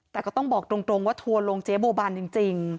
แต่ก็ต้องบอกตรงว่าทัวร์ลงเจ๊บัวบานจริง